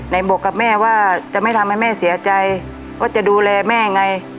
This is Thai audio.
บอกกับแม่ว่าจะไม่ทำให้แม่เสียใจว่าจะดูแลแม่ไง